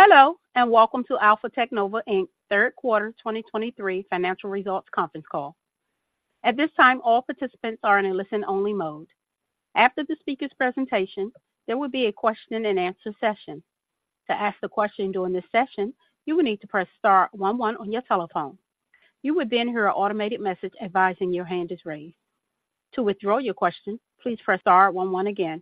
Hello, and welcome to Alpha Teknova, Inc.'s third quarter 2023 financial results conference call. At this time, all participants are in a listen-only mode. After the speaker's presentation, there will be a question-and-answer session. To ask a question during this session, you will need to press star one one on your telephone. You will then hear an automated message advising your hand is raised. To withdraw your question, please press star one one again.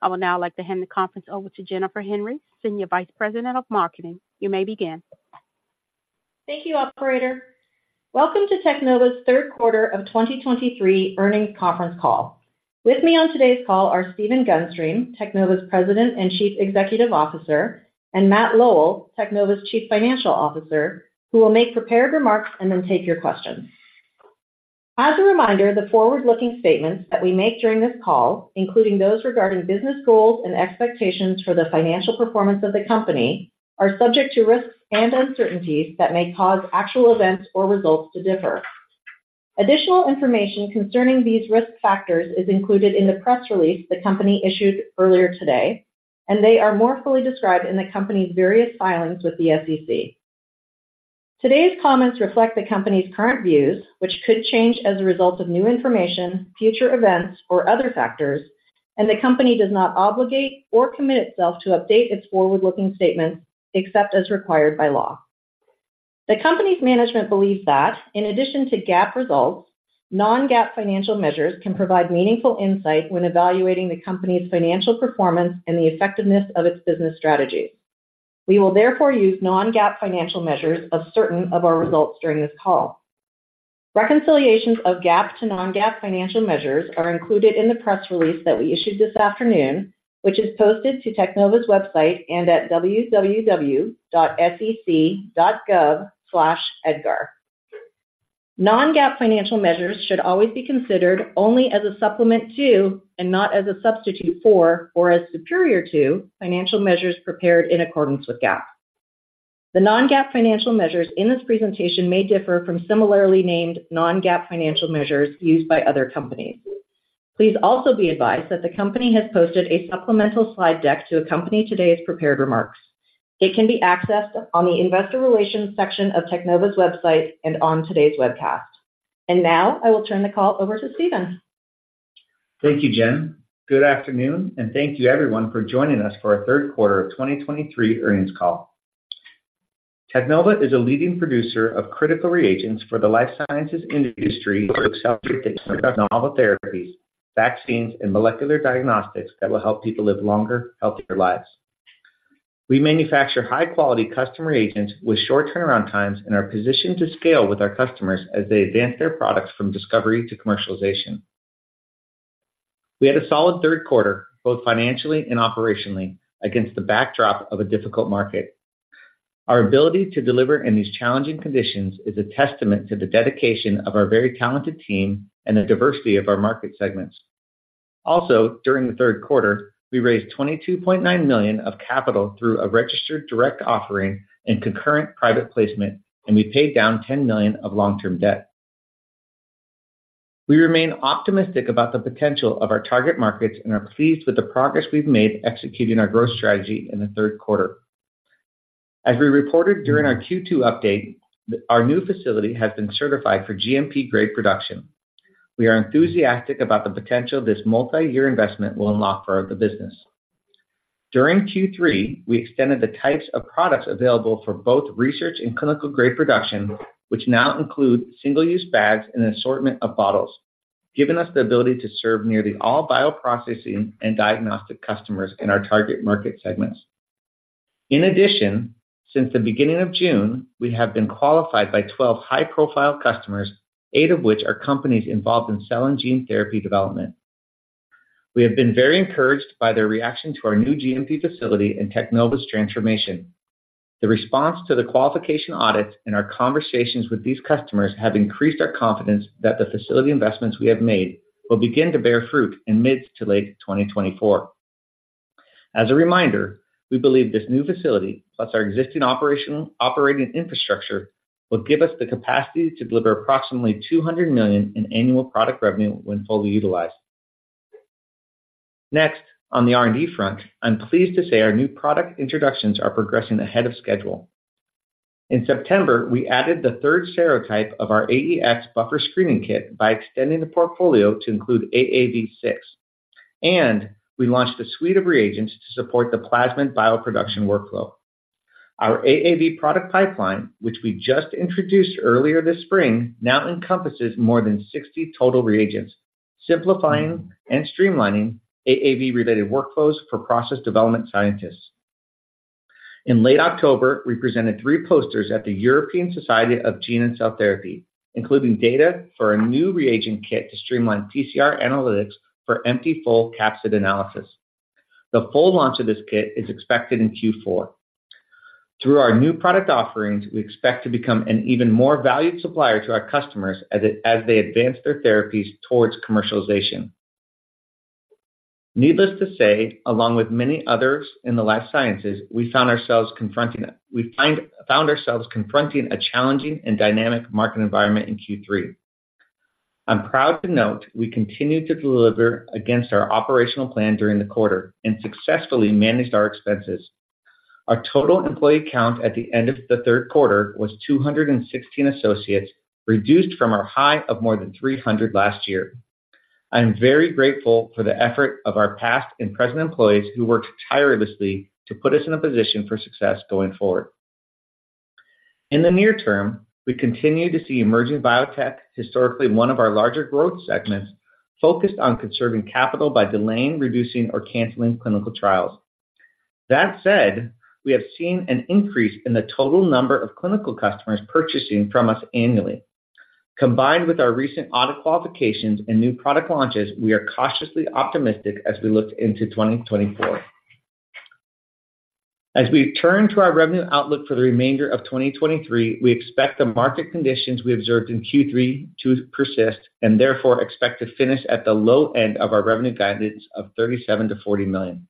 I will now like to hand the conference over to Jennifer Henry, Senior Vice President of Marketing. You may begin. Thank you, operator. Welcome to Teknova's third quarter of 2023 earnings conference call. With me on today's call are Stephen Gunstream, Teknova's President and Chief Executive Officer, and Matt Lowell, Teknova's Chief Financial Officer, who will make prepared remarks and then take your questions. As a reminder, the forward-looking statements that we make during this call, including those regarding business goals and expectations for the financial performance of the company, are subject to risks and uncertainties that may cause actual events or results to differ. Additional information concerning these risk factors is included in the press release the company issued earlier today, and they are more fully described in the company's various filings with the SEC. Today's comments reflect the company's current views, which could change as a result of new information, future events, or other factors, and the company does not obligate or commit itself to update its forward-looking statements except as required by law. The company's management believes that, in addition to GAAP results, non-GAAP financial measures can provide meaningful insight when evaluating the company's financial performance and the effectiveness of its business strategies. We will therefore use non-GAAP financial measures of certain of our results during this call. Reconciliations of GAAP to non-GAAP financial measures are included in the press release that we issued this afternoon, which is posted to Teknova's website and at www.sec.gov/edgar. Non-GAAP financial measures should always be considered only as a supplement to, and not as a substitute for or as superior to, financial measures prepared in accordance with GAAP. The non-GAAP financial measures in this presentation may differ from similarly named non-GAAP financial measures used by other companies. Please also be advised that the company has posted a supplemental slide deck to accompany today's prepared remarks. It can be accessed on the investor relations section of Teknova's website and on today's webcast. And now, I will turn the call over to Stephen. Thank you, Jen. Good afternoon, and thank you, everyone, for joining us for our third quarter of 2023 earnings call. Teknova is a leading producer of critical reagents for the life sciences industry to accelerate the novel therapies, vaccines, and molecular diagnostics that will help people live longer, healthier lives. We manufacture high-quality custom reagents with short turnaround times and are positioned to scale with our customers as they advance their products from discovery to commercialization. We had a solid third quarter, both financially and operationally, against the backdrop of a difficult market. Our ability to deliver in these challenging conditions is a testament to the dedication of our very talented team and the diversity of our market segments. Also, during the third quarter, we raised $22.9 million of capital through a registered direct offering and concurrent private placement, and we paid down $10 million of long-term debt. We remain optimistic about the potential of our target markets and are pleased with the progress we've made executing our growth strategy in the third quarter. As we reported during our Q2 update, our new facility has been certified for GMP grade production. We are enthusiastic about the potential this multi-year investment will unlock for the business. During Q3, we extended the types of products available for both research and clinical grade production, which now include single-use bags and an assortment of bottles, giving us the ability to serve nearly all bioprocessing and diagnostic customers in our target market segments. In addition, since the beginning of June, we have been qualified by 12 high-profile customers, eight of which are companies involved in cell and gene therapy development. We have been very encouraged by their reaction to our new GMP facility and Teknova's transformation. The response to the qualification audits and our conversations with these customers have increased our confidence that the facility investments we have made will begin to bear fruit in mid- to late 2024. As a reminder, we believe this new facility, plus our existing operational operating infrastructure, will give us the capacity to deliver approximately $200 million in annual product revenue when fully utilized. Next, on the R&D front, I'm pleased to say our new product introductions are progressing ahead of schedule. In September, we added the third serotype of our AEX Buffer Screening Kit by extending the portfolio to include AAV6, and we launched a suite of reagents to support the plasmid bioproduction workflow. Our AAV product pipeline, which we just introduced earlier this spring, now encompasses more than 60 total reagents, simplifying and streamlining AAV-related workflows for process development scientists. In late October, we presented 3 posters at the European Society of Gene and Cell Therapy, including data for a new reagent kit to streamline PCR analytics for empty/full capsid analysis. The full launch of this kit is expected in Q4. Through our new product offerings, we expect to become an even more valued supplier to our customers as they, as they advance their therapies towards commercialization. Needless to say, along with many others in the life sciences, we found ourselves confronting it. We found ourselves confronting a challenging and dynamic market environment in Q3. I'm proud to note we continued to deliver against our operational plan during the quarter and successfully managed our expenses. Our total employee count at the end of the third quarter was 216 associates, reduced from our high of more than 300 last year. I'm very grateful for the effort of our past and present employees, who worked tirelessly to put us in a position for success going forward. In the near term, we continue to see emerging biotech, historically, one of our larger growth segments, focused on conserving capital by delaying, reducing, or canceling clinical trials. That said, we have seen an increase in the total number of clinical customers purchasing from us annually. Combined with our recent audit qualifications and new product launches, we are cautiously optimistic as we look into 2024. As we turn to our revenue outlook for the remainder of 2023, we expect the market conditions we observed in Q3 to persist, and therefore expect to finish at the low end of our revenue guidance of $37 million-$40 million.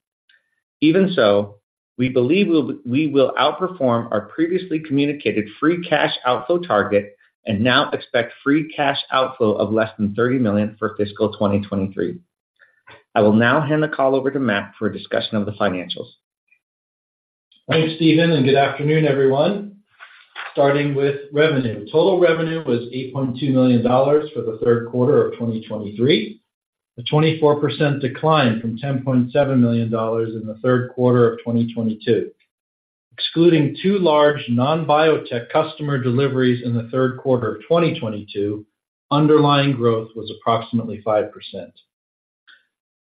Even so, we believe we will outperform our previously communicated free cash outflow target and now expect free cash outflow of less than $30 million for fiscal 2023. I will now hand the call over to Matt for a discussion of the financials. Thanks, Stephen, and good afternoon, everyone. Starting with revenue. Total revenue was $8.2 million for the third quarter of 2023, a 24% decline from $10.7 million in the third quarter of 2022. Excluding two large non-biotech customer deliveries in the third quarter of 2022, underlying growth was approximately 5%.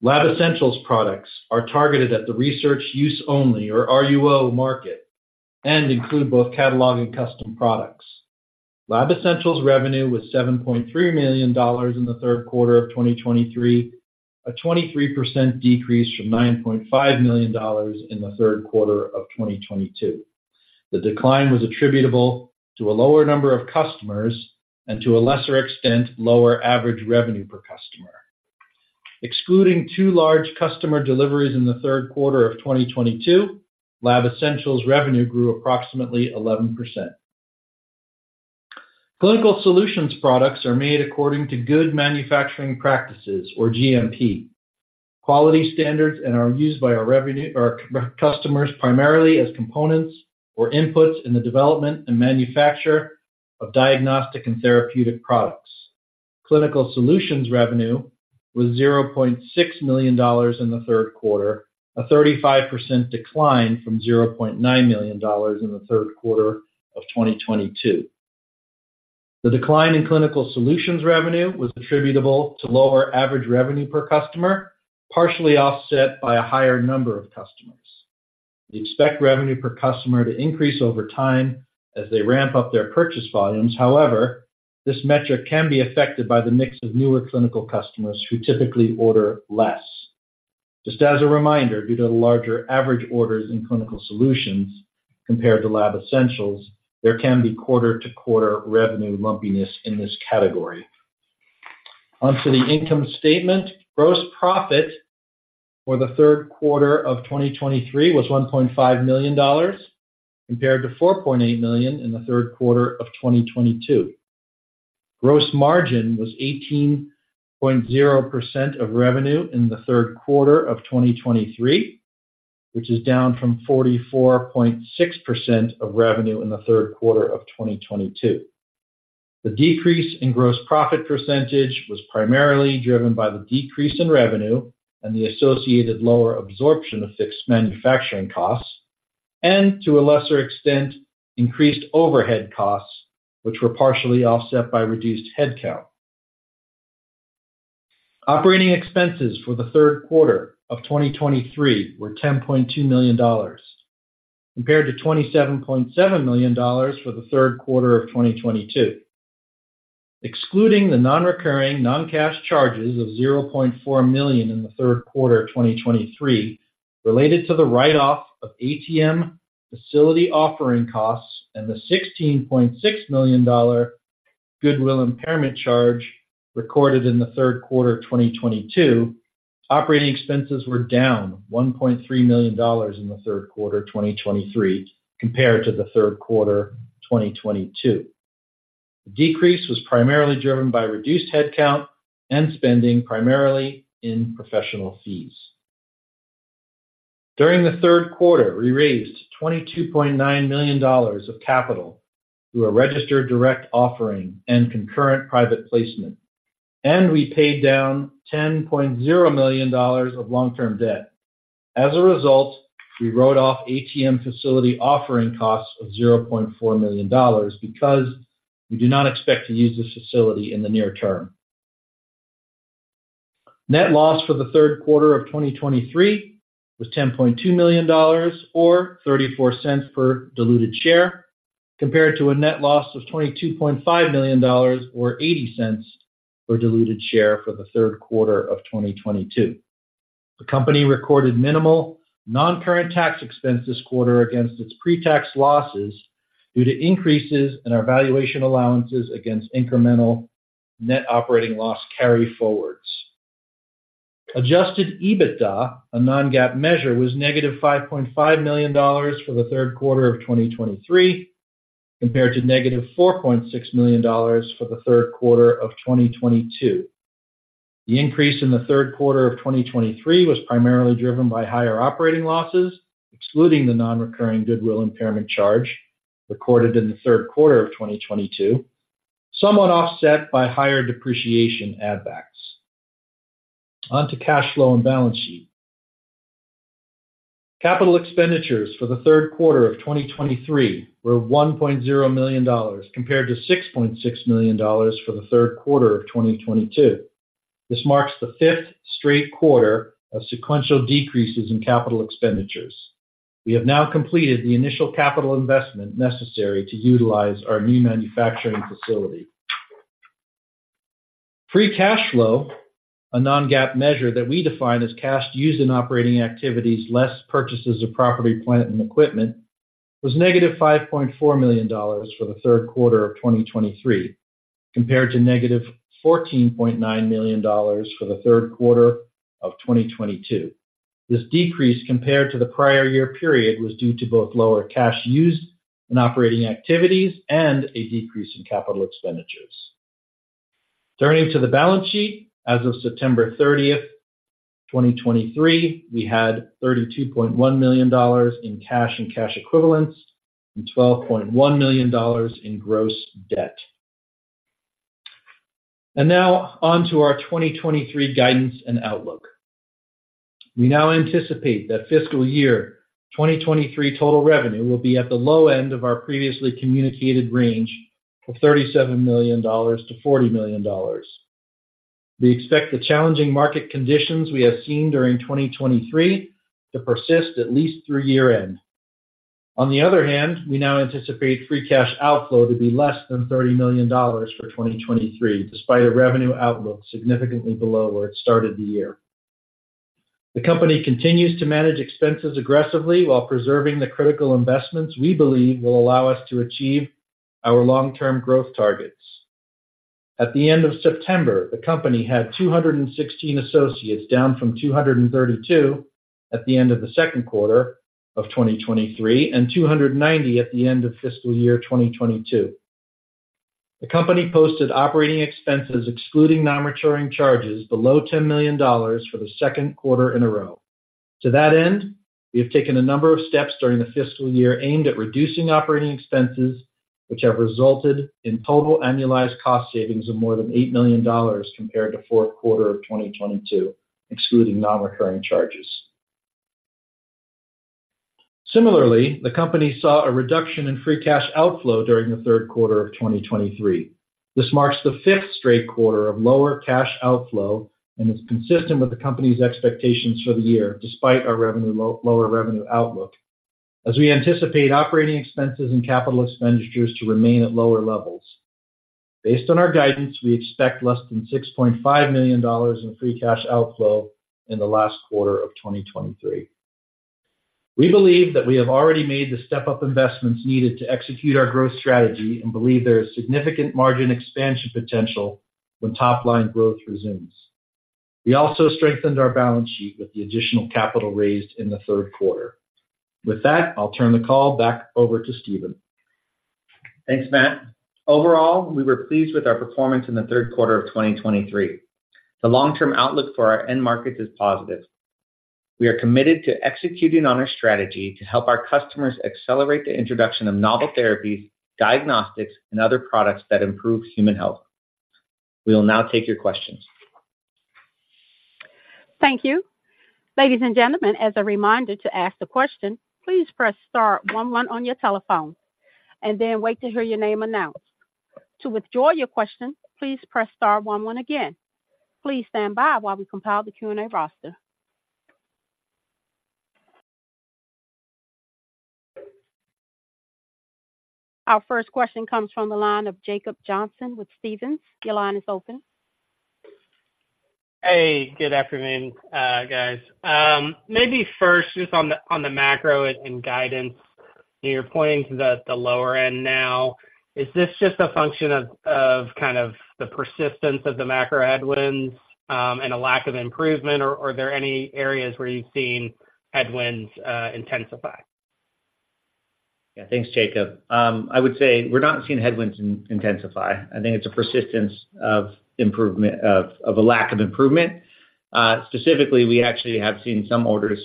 Lab Essentials products are targeted at the research use only or RUO market and include both catalog and custom products. Lab Essentials revenue was $7.3 million in the third quarter of 2023, a 23% decrease from $9.5 million in the third quarter of 2022. The decline was attributable to a lower number of customers and, to a lesser extent, lower average revenue per customer. Excluding two large customer deliveries in the third quarter of 2022, Lab Essentials revenue grew approximately 11%. Clinical Solutions products are made according to good manufacturing practices, or GMP, quality standards, and are used by our customers primarily as components or inputs in the development and manufacture of diagnostic and therapeutic products. Clinical Solutions revenue was $0.6 million in the third quarter, a 35% decline from $0.9 million in the third quarter of 2022. The decline in Clinical Solutions revenue was attributable to lower average revenue per customer, partially offset by a higher number of customers. We expect revenue per customer to increase over time as they ramp up their purchase volumes. However, this metric can be affected by the mix of newer clinical customers who typically order less. Just as a reminder, due to the larger average orders in Clinical Solutions compared to Lab Essentials, there can be quarter-to-quarter revenue lumpiness in this category. On to the income statement. Gross profit for the third quarter of 2023 was $1.5 million, compared to $4.8 million in the third quarter of 2022. Gross margin was 18.0% of revenue in the third quarter of 2023, which is down from 44.6% of revenue in the third quarter of 2022. The decrease in gross profit percentage was primarily driven by the decrease in revenue and the associated lower absorption of fixed manufacturing costs, and, to a lesser extent, increased overhead costs, which were partially offset by reduced headcount. Operating expenses for the third quarter of 2023 were $10.2 million, compared to $27.7 million for the third quarter of 2022. Excluding the non-recurring, non-cash charges of $0.4 million in the third quarter of 2023, related to the write-off of ATM facility offering costs and the $16.6 million goodwill impairment charge recorded in the third quarter of 2022, operating expenses were down $1.3 million in the third quarter of 2023 compared to the third quarter of 2022. The decrease was primarily driven by reduced headcount and spending, primarily in professional fees. During the third quarter, we raised $22.9 million of capital through a registered direct offering and concurrent private placement, and we paid down $10.0 million of long-term debt. As a result, we wrote off ATM Facility offering costs of $0.4 million because we do not expect to use this facility in the near term. Net loss for the third quarter of 2023 was $10.2 million or $0.34 per diluted share, compared to a net loss of $22.5 million or $0.80 per diluted share for the third quarter of 2022. The company recorded minimal non-current tax expense this quarter against its pre-tax losses due to increases in our valuation allowances against incremental net operating loss carryforwards. Adjusted EBITDA, a non-GAAP measure, was -$5.5 million for the third quarter of 2023, compared to -$4.6 million for the third quarter of 2022. The increase in the third quarter of 2023 was primarily driven by higher operating losses, excluding the non-recurring goodwill impairment charge recorded in the third quarter of 2022, somewhat offset by higher depreciation add-backs. On to cash flow and balance sheet. Capital expenditures for the third quarter of 2023 were $1.0 million, compared to $6.6 million for the third quarter of 2022. This marks the 5th straight quarter of sequential decreases in capital expenditures. We have now completed the initial capital investment necessary to utilize our new manufacturing facility. Free cash flow, a non-GAAP measure that we define as cash used in operating activities, less purchases of property, plant, and equipment, was -$5.4 million for the third quarter of 2023, compared to -$14.9 million for the third quarter of 2022. This decrease compared to the prior year period was due to both lower cash used in operating activities and a decrease in capital expenditures. Turning to the balance sheet, as of September 30th, 2023, we had $32.1 million in cash and cash equivalents and $12.1 million in gross debt. And now on to our 2023 guidance and outlook. We now anticipate that fiscal year 2023 total revenue will be at the low end of our previously communicated range of $37 million-$40 million. We expect the challenging market conditions we have seen during 2023 to persist at least through year-end. On the other hand, we now anticipate free cash outflow to be less than $30 million for 2023, despite a revenue outlook significantly below where it started the year. The company continues to manage expenses aggressively while preserving the critical investments we believe will allow us to achieve our long-term growth targets. At the end of September, the company had 216 associates, down from 232 at the end of the second quarter of 2023, and 290 at the end of fiscal year 2022. The company posted operating expenses, excluding non-recurring charges, below $10 million for the second quarter in a row. To that end, we have taken a number of steps during the fiscal year aimed at reducing operating expenses, which have resulted in total annualized cost savings of more than $8 million compared to fourth quarter of 2022, excluding non-recurring charges. Similarly, the company saw a reduction in free cash outflow during the third quarter of 2023. This marks the fifth straight quarter of lower cash outflow and is consistent with the company's expectations for the year, despite our lower revenue outlook, as we anticipate operating expenses and capital expenditures to remain at lower levels. Based on our guidance, we expect less than $6.5 million in free cash outflow in the last quarter of 2023. We believe that we have already made the step-up investments needed to execute our growth strategy and believe there is significant margin expansion potential when top-line growth resumes. We also strengthened our balance sheet with the additional capital raised in the third quarter. With that, I'll turn the call back over to Stephen. Thanks, Matt. Overall, we were pleased with our performance in the third quarter of 2023. The long-term outlook for our end markets is positive. We are committed to executing on our strategy to help our customers accelerate the introduction of novel therapies, diagnostics, and other products that improve human health. We will now take your questions. Thank you. Ladies and gentlemen, as a reminder to ask a question, please press star one one on your telephone and then wait to hear your name announced. To withdraw your question, please press star one one again. Please stand by while we compile the Q&A roster. Our first question comes from the line of Jacob Johnson with Stephens. Your line is open. Hey, good afternoon, guys. Maybe first, just on the macro and guidance, you're pointing to the lower end now. Is this just a function of kind of the persistence of the macro headwinds, and a lack of improvement, or are there any areas where you've seen headwinds intensify? Yeah. Thanks, Jacob. I would say we're not seeing headwinds intensify. I think it's a persistence of a lack of improvement. Specifically, we actually have seen some orders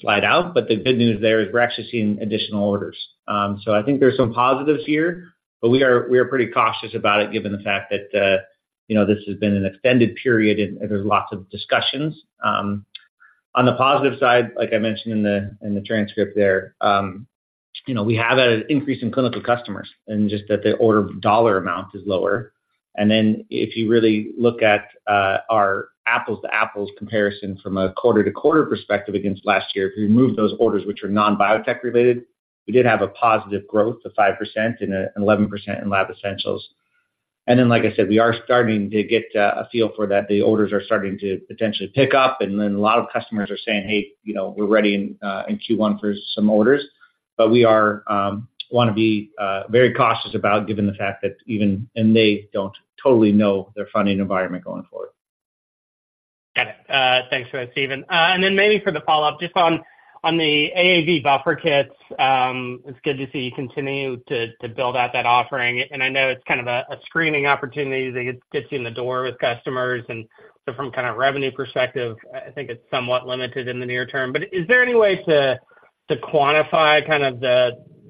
slide out, but the good news there is we're actually seeing additional orders. So I think there's some positives here, but we are pretty cautious about it, given the fact that, you know, this has been an extended period and there's lots of discussions. On the positive side, like I mentioned in the transcript there, you know, we have had an increase in clinical customers and just that the order dollar amount is lower. And then if you really look at our apples-to-apples comparison from a quarter-to-quarter perspective against last year, if you remove those orders, which are non-biotech related, we did have a positive growth of 5% and 11% in Lab Essentials. And then, like I said, we are starting to get a feel for that. The orders are starting to potentially pick up, and then a lot of customers are saying, "Hey, you know, we're ready in in Q1 for some orders but we want to be very cautious about, given the fact that even and they don't totally know their funding environment going forward. Got it. Thanks for that, Stephen. And then maybe for the follow-up, just on the AAV buffer kits, it's good to see you continue to build out that offering. And I know it's kind of a screening opportunity that gets you in the door with customers, and so from kind of revenue perspective, I think it's somewhat limited in the near term. But is there any way to quantify kind of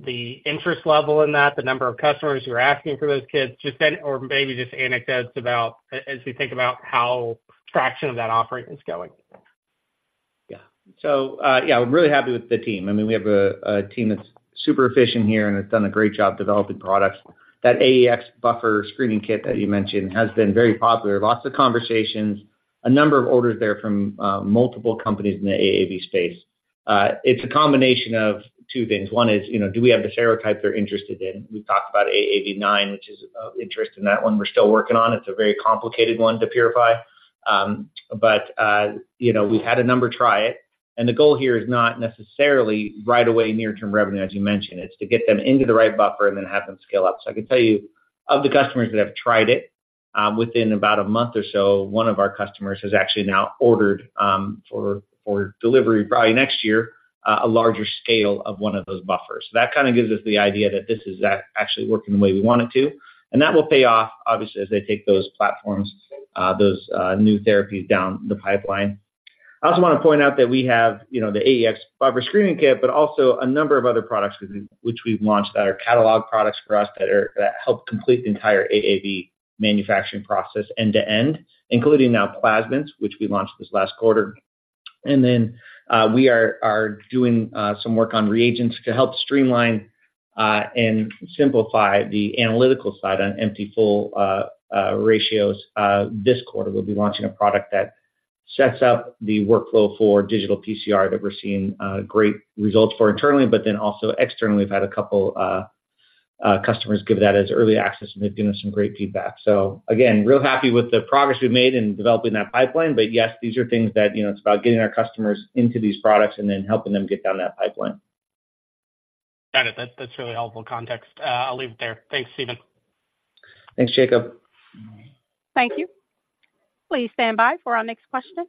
the interest level in that, the number of customers who are asking for those kits? Just or maybe just anecdotes about, as we think about how traction of that offering is going? Yeah. So, yeah, we're really happy with the team. I mean, we have a team that's super efficient here, and it's done a great job developing products. That AEX Buffer Screening Kit that you mentioned has been very popular. Lots of conversations, a number of orders there from multiple companies in the AAV space. It's a combination of two things. One is, you know, do we have the serotype they're interested in? We've talked about AAV9, which is of interest in that one. We're still working on. It's a very complicated one to purify. But you know, we've had a number try it, and the goal here is not necessarily right away near-term revenue, as you mentioned. It's to get them into the right buffer and then have them scale up. So I can tell you, of the customers that have tried it, within about a month or so, one of our customers has actually now ordered, for delivery, probably next year, a larger scale of one of those buffers. That kind of gives us the idea that this is actually working the way we want it to, and that will pay off, obviously, as they take those platforms, those new therapies down the pipeline. I also want to point out that we have, you know, the AEX Buffer Screening Kit, but also a number of other products which we've launched that are catalog products for us, that help complete the entire AAV manufacturing process end-to-end, including now plasmids, which we launched this last quarter. And then, we are doing some work on reagents to help streamline and simplify the analytical side on Empty/Full ratios. This quarter, we'll be launching a product that sets up the workflow for Digital PCR that we're seeing great results for internally, but then also externally. We've had a couple customers give that as early access, and they've given us some great feedback. So again, real happy with the progress we've made in developing that pipeline. But yes, these are things that, you know, it's about getting our customers into these products and then helping them get down that pipeline. Got it. That, that's really helpful context. I'll leave it there. Thanks, Stephen. Thanks, Jacob. Thank you. Please stand by for our next question.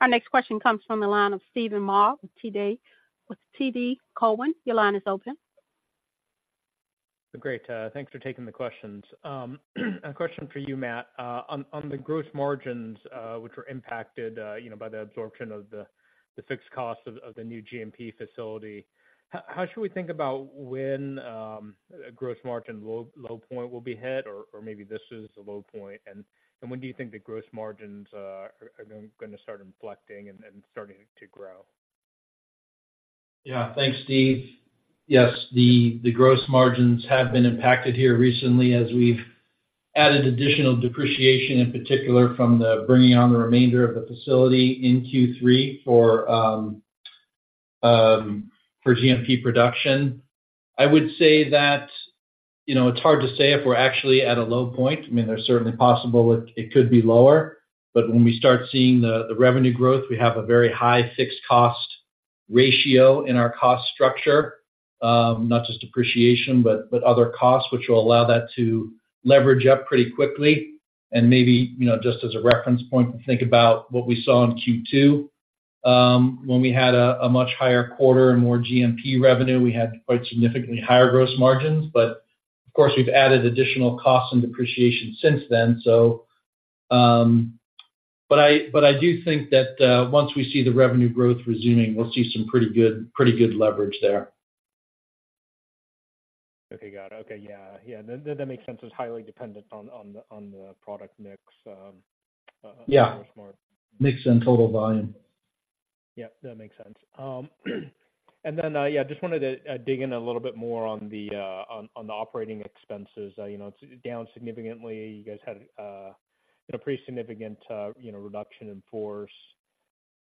Our next question comes from the line of Stephen Ma with TD Cowen. Your line is open. Great, thanks for taking the questions. A question for you, Matt. On the gross margins, which were impacted, you know, by the absorption of the fixed cost of the new GMP facility, how should we think about when a gross margin low point will be hit, or maybe this is the low point? When do you think the gross margins are going gonna start inflecting and starting to grow? Yeah. Thanks, Steve. Yes, the gross margins have been impacted here recently as we've added additional depreciation, in particular from bringing on the remainder of the facility in Q3 for GMP production. I would say that, you know, it's hard to say if we're actually at a low point. I mean, it's certainly possible it could be lower, but when we start seeing the revenue growth, we have a very high fixed cost ratio in our cost structure. Not just depreciation, but other costs, which will allow that to leverage up pretty quickly. And maybe, you know, just as a reference point to think about what we saw in Q2, when we had a much higher quarter and more GMP revenue, we had quite significantly higher gross margins. But of course, we've added additional costs and depreciation since then. But I do think that once we see the revenue growth resuming, we'll see some pretty good leverage there. Okay, got it. Okay. Yeah, that makes sense. It's highly dependent on the product mix. Yeah, mix and total volume. Yeah, that makes sense. And then, yeah, I just wanted to dig in a little bit more on the operating expenses. You know, it's down significantly. You guys had a pretty significant, you know, reduction in force.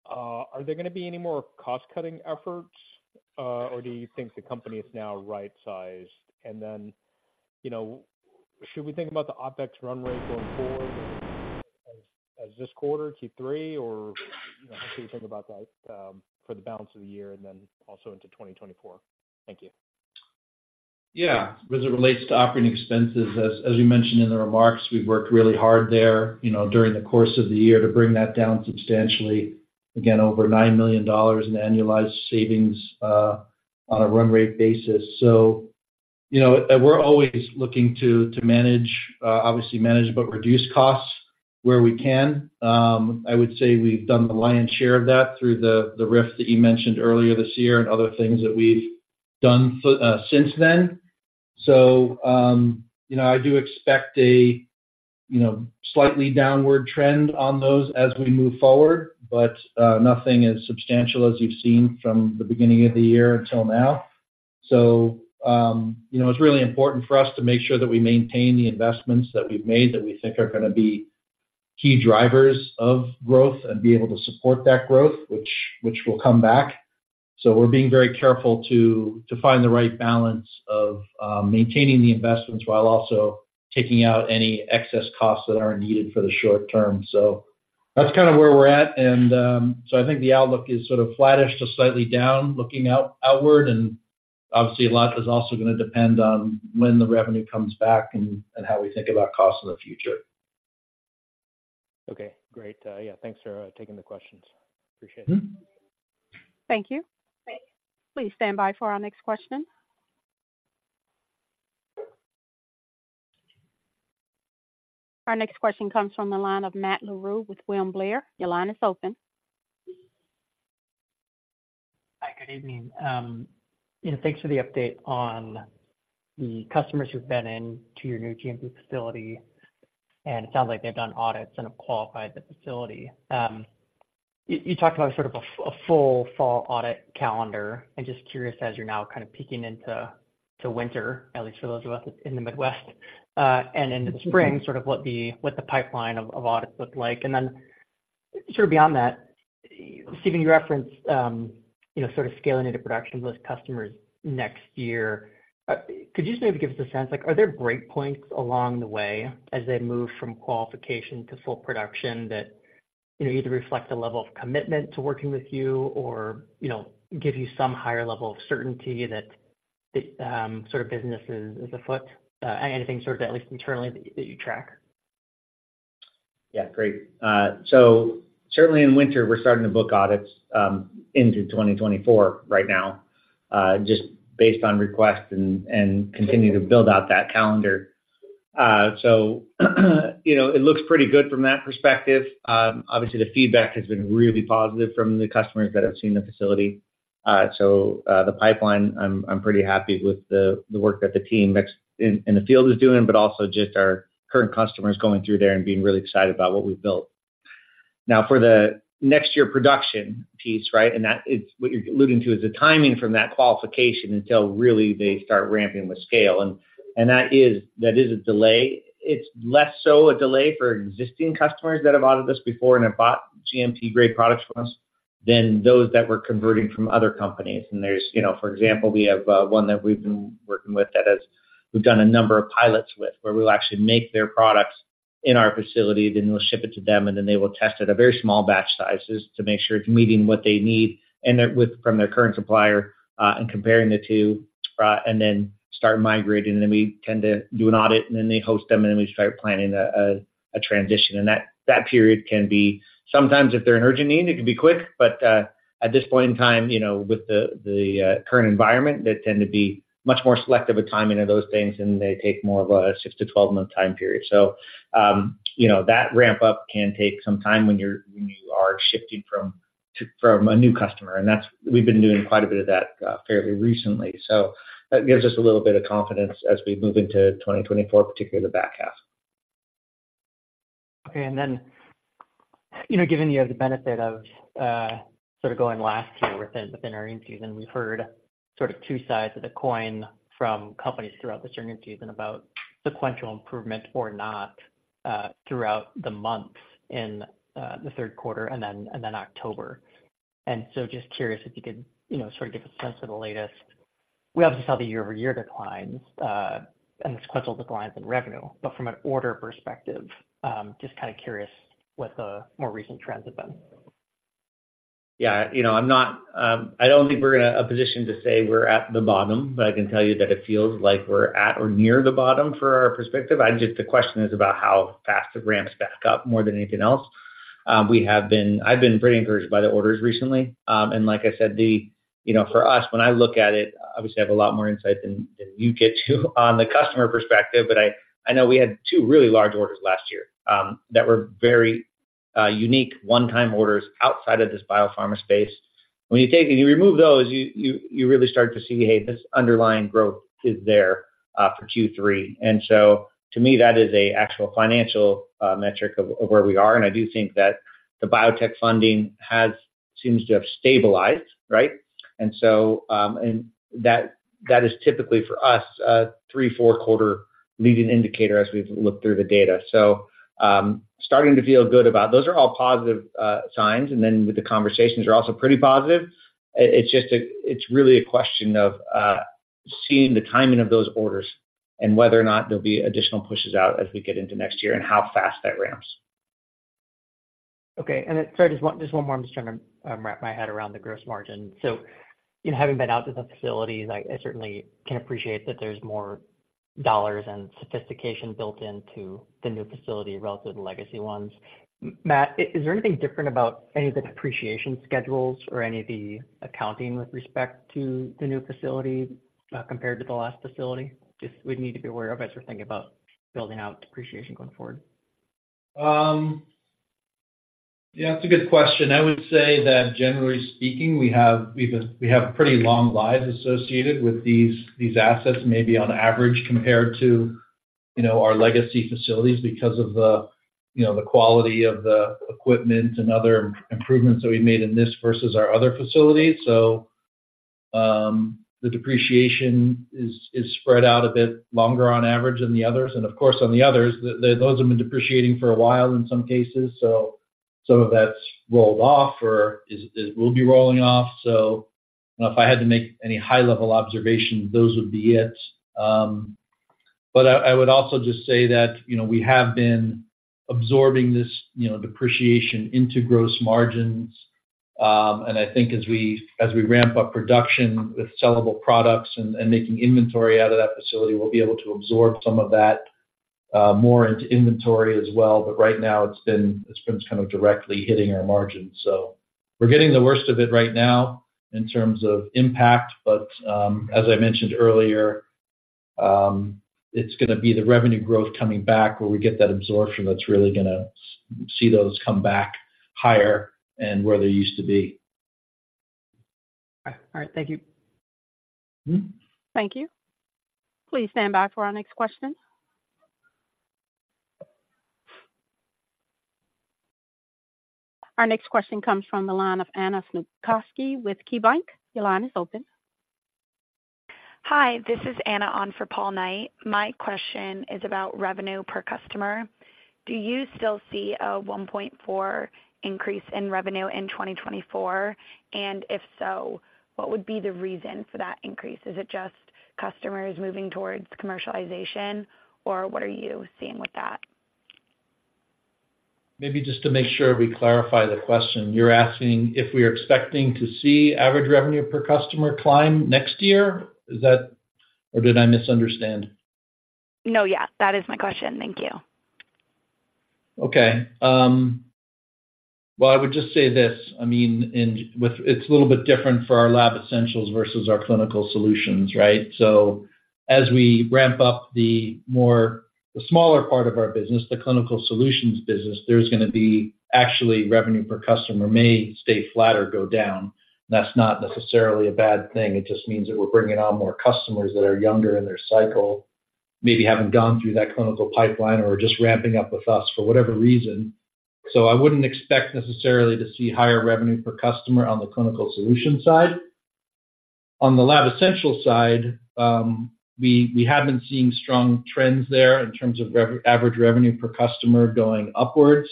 Are there gonna be any more cost-cutting efforts, or do you think the company is now right-sized? And then, you know, should we think about the OpEx run rate going forward as this quarter, Q3, or, you know, how do you think about that, for the balance of the year and then also into 2024? Thank you. Yeah. As it relates to operating expenses, as you mentioned in the remarks, we've worked really hard there, you know, during the course of the year to bring that down substantially. Again, over $9 million in annualized savings on a run rate basis. So, you know, we're always looking to manage, obviously manage, but reduce costs where we can. I would say we've done the lion's share of that through the RIF that you mentioned earlier this year and other things that we've done since then. So, you know, I do expect a slightly downward trend on those as we move forward, but nothing as substantial as you've seen from the beginning of the year until now. You know, it's really important for us to make sure that we maintain the investments that we've made, that we think are gonna be key drivers of growth and be able to support that growth, which will come back. So we're being very careful to find the right balance of maintaining the investments while also taking out any excess costs that aren't needed for the short term. So that's kind of where we're at, and so I think the outlook is sort of flattish to slightly down, looking outward, and obviously a lot is also going to depend on when the revenue comes back and how we think about cost in the future. Okay, great. Yeah, thanks for taking the questions. Appreciate it. Thank you. Great. Please stand by for our next question. Our next question comes from the line of Matt Larew, with William Blair. Your line is open. Hi, good evening. You know, thanks for the update on the customers who've been in to your new GMP facility, and it sounds like they've done audits and have qualified the facility. You talked about sort of a full fall audit calendar. I'm just curious, as you're now kind of peaking into to winter, at least for those of us in the Midwest, and in the spring, sort of what the pipeline of audits look like. And then sort of beyond that, Stephen, you referenced, you know, sort of scaling into production with customers next year. Could you just maybe give us a sense, like, are there great points along the way as they move from qualification to full production that, you know, either reflect a level of commitment to working with you or, you know, give you some higher level of certainty that sort of business is afoot? Anything sort of at least internally that you track? Yeah, great. So certainly in winter, we're starting to book audits into 2024 right now, just based on requests and continue to build out that calendar. So, you know, it looks pretty good from that perspective. Obviously, the feedback has been really positive from the customers that have seen the facility. So, the pipeline, I'm pretty happy with the work that the team makes in the field is doing, but also just our current customers going through there and being really excited about what we've built. Now, for the next year production piece, right? And that is, what you're alluding to, is the timing from that qualification until really they start ramping with scale, and that is a delay. It's less so a delay for existing customers that have audited us before and have bought GMP-grade products from us than those that we're converting from other companies. And there's, you know, for example, we have one that we've been working with, we've done a number of pilots with, where we'll actually make their products in our facility, then we'll ship it to them, and then they will test it at very small batch sizes to make sure it's meeting what they need, and that with from their current supplier, and comparing the two, and then start migrating. And then we tend to do an audit, and then they host them, and then we start planning a transition. And that period can be sometimes if there's an urgent need, it can be quick, but at this point in time, you know, with the current environment, they tend to be much more selective of timing of those things, and they take more of a 6-12-month time period. So, you know, that ramp-up can take some time when you are shifting to a new customer, and that's, we've been doing quite a bit of that fairly recently. So that gives us a little bit of confidence as we move into 2024, particularly the back half. Okay. And then, you know, given you have the benefit of sort of going last year within earnings season, we've heard sort of two sides of the coin from companies throughout this earnings season about sequential improvement or not throughout the months in the third quarter and then October. And so just curious if you could, you know, sort of give a sense of the latest. We obviously saw the year-over-year declines and sequential declines in revenue, but from an order perspective, just kind of curious what the more recent trends have been. Yeah, you know, I'm not, I don't think we're in a position to say we're at the bottom, but I can tell you that it feels like we're at or near the bottom for our perspective. I just, the question is about how fast it ramps back up, more than anything else. We have been, I've been pretty encouraged by the orders recently. And like I said, the, you know, for us, when I look at it, obviously I have a lot more insight than you get to on the customer perspective, but I, I know we had two really large orders last year, that were very, unique one-time orders outside of this biopharma space. When you take, when you remove those, you really start to see, hey, this underlying growth is there, for Q3. And so to me, that is a actual financial metric of where we are. And I do think that the biotech funding has seems to have stabilized, right? And so, and that, that is typically for us, a 3-4-quarter leading indicator as we've looked through the data. So, starting to feel good about. Those are all positive signs, and then with the conversations are also pretty positive. It's just a, it's really a question of seeing the timing of those orders and whether or not there'll be additional pushes out as we get into next year and how fast that ramps. Okay. And then, sorry, just one, just one more. I'm just trying to wrap my head around the gross margin. So, you know, having been out to the facilities, I certainly can appreciate that there's more dollars and sophistication built into the new facility relative to the legacy ones. Matt, is there anything different about any of the depreciation schedules or any of the accounting with respect to the new facility compared to the last facility? Just we need to be aware of as we're thinking about building out depreciation going forward. Yeah, that's a good question. I would say that generally speaking, we have pretty long lives associated with these assets, maybe on average, compared to, you know, our legacy facilities because of the, you know, the quality of the equipment and other improvements that we made in this versus our other facilities. The depreciation is spread out a bit longer on average than the others. And of course, on the others, those have been depreciating for a while in some cases, so some of that's rolled off or is, will be rolling off. So if I had to make any high-level observation, those would be it. But I would also just say that, you know, we have been absorbing this, you know, depreciation into gross margins. And I think as we ramp up production with sellable products and making inventory out of that facility, we'll be able to absorb some of that more into inventory as well. But right now, it's been kind of directly hitting our margins. So we're getting the worst of it right now in terms of impact, but as I mentioned earlier, it's gonna be the revenue growth coming back where we get that absorption that's really gonna see those come back higher and where they used to be. All right. Thank you. Thank you. Please stand by for our next question. Our next question comes from the line of Anna Snopkowski with KeyBanc. Your line is open. Hi, this is Anna on for Paul Knight. My question is about revenue per customer. Do you still see a 1.4 increase in revenue in 2024? And if so, what would be the reason for that increase? Is it just customers moving towards commercialization, or what are you seeing with that? Maybe just to make sure we clarify the question. You're asking if we are expecting to see average revenue per customer climb next year? Is that... Or did I misunderstand? No, yeah, that is my question. Thank you. Okay. Well, I would just say this, I mean, it's a little bit different for our Lab Essentials versus our Clinical Solutions, right? So as we ramp up the more, the smaller part of our business, the Clinical Solutions business, there's gonna be actually revenue per customer may stay flat or go down. That's not necessarily a bad thing. It just means that we're bringing on more customers that are younger in their cycle, maybe haven't gone through that clinical pipeline or are just ramping up with us for whatever reason. So I wouldn't expect necessarily to see higher revenue per customer on the Clinical Solutions side. On the Lab Essentials side, we have been seeing strong trends there in terms of average revenue per customer going upwards.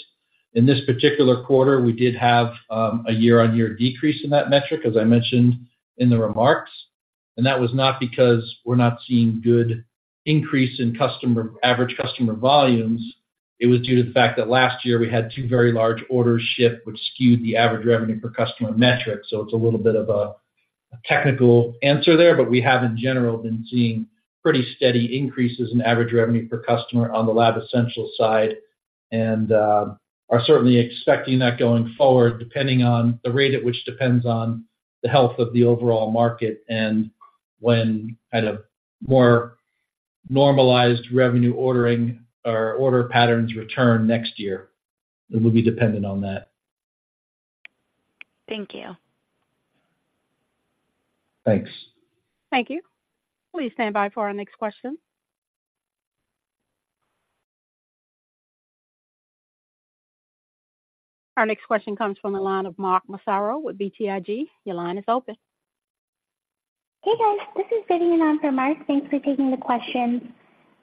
In this particular quarter, we did have a year-on-year decrease in that metric, as I mentioned in the remarks, and that was not because we're not seeing good increase in customer average customer volumes. It was due to the fact that last year we had two very large orders shipped, which skewed the average revenue per customer metric. So it's a little bit of a technical answer there, but we have, in general, been seeing pretty steady increases in average revenue per customer on the Lab Essentials side and are certainly expecting that going forward, depending on the rate at which depends on the health of the overall market and when a more normalized revenue ordering or order patterns return next year; it will be dependent on that. Thank you. Thanks. Thank you. Please stand by for our next question. Our next question comes from the line of Mark Massaro with BTIG. Your line is open. Hey, guys, this is Vivian on for Mark. Thanks for taking the questions.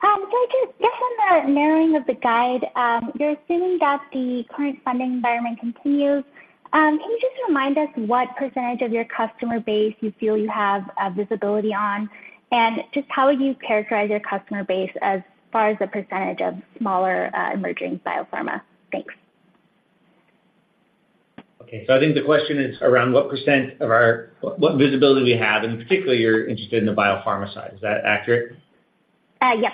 So I just, just on the narrowing of the guide, you're assuming that the current funding environment continues. Can you just remind us what percentage of your customer base you feel you have a visibility on? And just how would you characterize your customer base as far as the percentage of smaller, emerging biopharma? Thanks. Okay. So I think the question is around what percent of our. What visibility we have, and particularly, you're interested in the biopharma side. Is that accurate? Yes.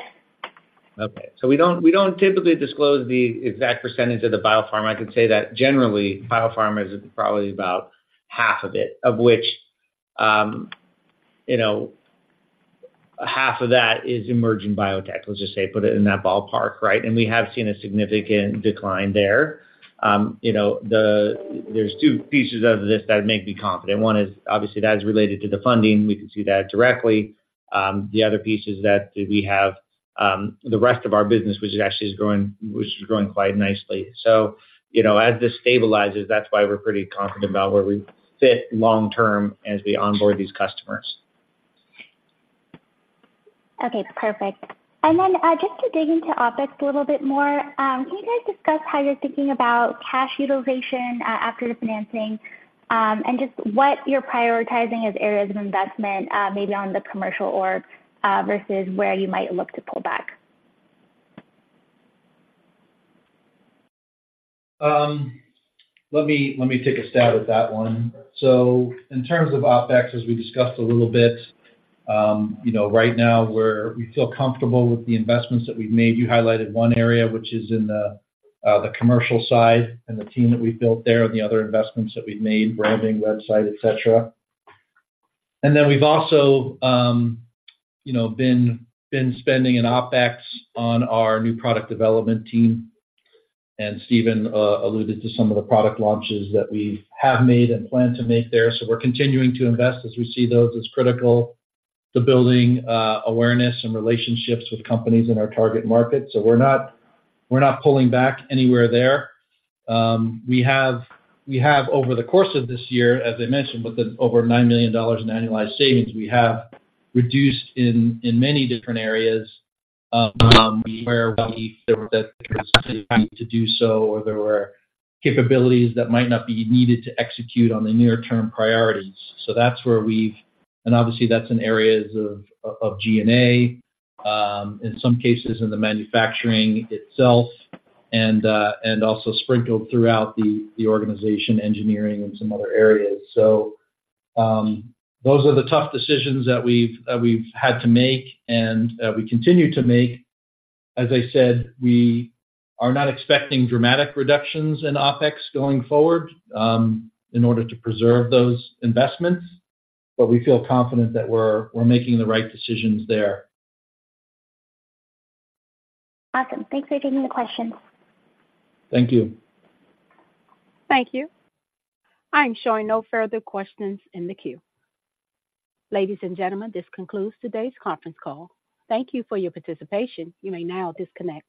Okay. So we don't, we don't typically disclose the exact percentage of the biopharma. I can say that generally, biopharma is probably about half of it, of which, you know, half of that is emerging biotech. Let's just say, put it in that ballpark, right? And we have seen a significant decline there. You know, there's two pieces of this that make me confident. One is, obviously, that is related to the funding. We can see that directly. The other piece is that we have, the rest of our business, which is actually growing, which is growing quite nicely. So, you know, as this stabilizes, that's why we're pretty confident about where we fit long term as we onboard these customers. Okay, perfect. And then, just to dig into OpEx a little bit more, can you guys discuss how you're thinking about cash utilization, after the financing, and just what you're prioritizing as areas of investment, maybe on the commercial org, versus where you might look to pull back? Let me take a stab at that one. So in terms of OpEx, as we discussed a little bit, you know, right now, we're. We feel comfortable with the investments that we've made. You highlighted one area, which is in the commercial side and the team that we've built there and the other investments that we've made, branding, website, etc. And then we've also, you know, been spending in OpEx on our new product development team, and Steven alluded to some of the product launches that we have made and plan to make there. So we're continuing to invest as we see those as critical to building awareness and relationships with companies in our target market. So we're not, we're not pulling back anywhere there. We have, we have over the course of this year, as I mentioned, with the over $9 million in annualized savings, we have reduced in many different areas where there were capabilities that might not be needed to execute on the near-term priorities. So that's where we've and obviously, that's in areas of G&A, in some cases in the manufacturing itself, and also sprinkled throughout the organization, engineering, and some other areas. So those are the tough decisions that we've had to make and we continue to make. As I said, we are not expecting dramatic reductions in OpEx going forward, in order to preserve those investments, but we feel confident that we're making the right decisions there. Awesome. Thanks for taking the question. Thank you. Thank you. I'm showing no further questions in the queue. Ladies and gentlemen, this concludes today's conference call. Thank you for your participation. You may now disconnect.